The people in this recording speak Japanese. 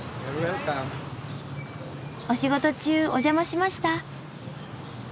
お仕事中お邪魔しました。